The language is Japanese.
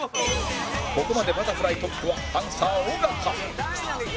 ここまでバタフライトップはパンサー尾形